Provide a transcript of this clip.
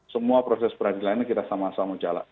semua proses peradilan ini kita sama sama jalan